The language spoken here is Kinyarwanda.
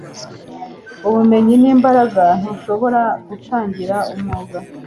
ubumenyi ni imbaraga. ntushobora gutangira umwuga